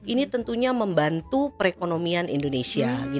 ini tentunya membantu perekonomian indonesia